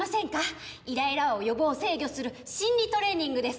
イライラを予防制御する心理トレーニングです